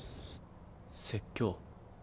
説教？